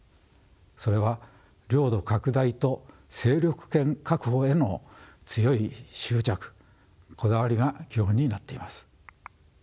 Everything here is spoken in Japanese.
それは領土拡大と勢力圏確保への強い執着こだわりが基本になっています。